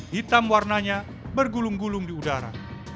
hitam warnanya bergulung gulung di udara